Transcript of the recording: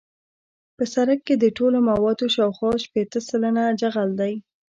په سرک کې د ټولو موادو شاوخوا شپیته سلنه جغل دی